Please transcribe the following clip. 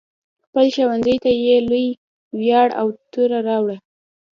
خپل ښوونځي ته یې لوی ویاړ او توره راوړه.